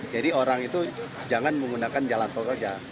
jadi orang itu jangan menggunakan jalan tol saja